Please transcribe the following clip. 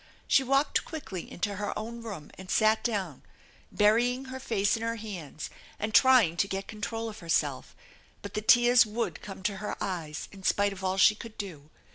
She walked quickly into her own room and sat down, burying her face in her hands and trying to get control of herself, but the tears would come to her eyes in spite of all she could do.